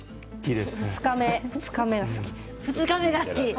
２日目が好きです。